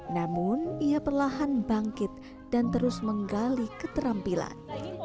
namun ia perlahan bangkit dan terus menggali keterampilan